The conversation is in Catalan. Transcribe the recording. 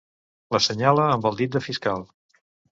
L'assenyala amb el dit de fiscal.